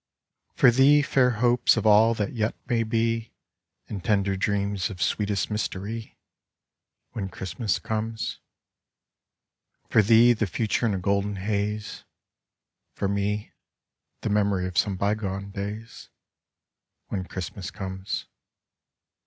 For thee, fair hopes of all that yet may be, And tender dreams of sweetest mystery, When Christmas comes. For thee, the future in a golden haze, For me, the memory of some bygone days, When Christmas comes.